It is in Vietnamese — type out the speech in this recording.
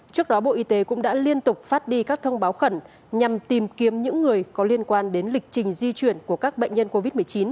trước đó bộ y tế cũng đã liên tục phát đi các thông báo khẩn nhằm tìm kiếm những người có liên quan đến lịch trình di chuyển của các bệnh nhân covid một mươi chín